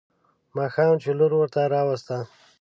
ماښام چې لور ورته راوسته.